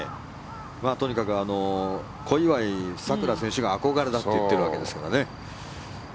とにかく小祝さくら選手が憧れだと言っているわけですからね。